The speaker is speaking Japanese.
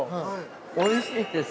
おいしいです。